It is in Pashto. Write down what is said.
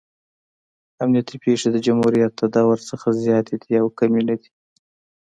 امنیتي پېښې د جمهوریت د دور نه زیاتې دي او کمې نه دي.